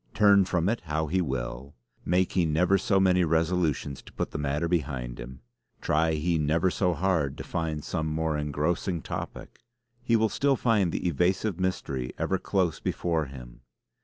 Turn from it how he will; make he never so many resolutions to put the matter behind him; try he never so hard to find some more engrossing topic, he will still find the evasive mystery ever close before him.